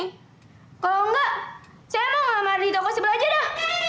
kalau enggak saya mau ngamar di toko sebelah aja dah